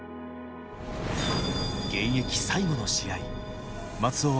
現役最後の試合